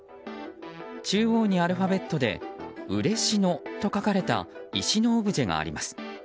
中央にアルファベットでＵＲＥＳＨＩＮＯと書かれた石のオブジェがあります。